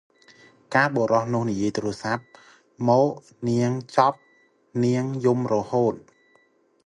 កាលបុរសនោះនិយាយទូរស័ព្ទមកនាងចប់ នាងយំរហូត ។